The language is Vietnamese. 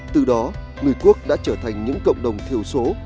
từ đó người quốc đã trở thành những cộng đồng thiểu số